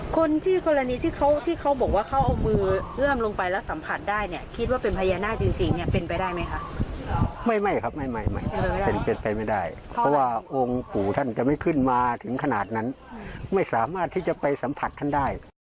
คนที่กรณีที่เขาบอกว่าเขาเอามือเลื่อมลงไปแล้วสัมผัสได้